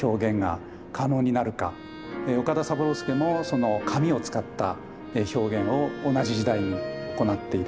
岡田三郎助も紙を使った表現を同じ時代に行っている。